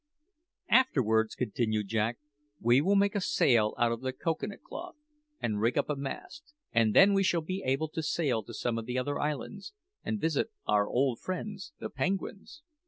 "Afterwards," continued Jack, "we will make a sail out of the cocoa nut cloth, and rig up a mast; and then we shall be able to sail to some of the other islands, and visit our old friends the penguins."